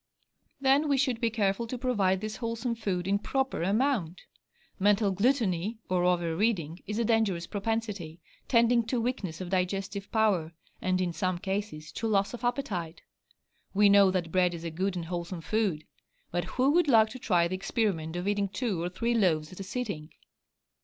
Then we should be careful to provide this wholesome food in proper amount. Mental gluttony, or over reading, is a dangerous propensity, tending to weakness of digestive power, and in some cases to loss of appetite: we know that bread is a good and wholesome food, but who would like to try the experiment of eating two or three loaves at a sitting?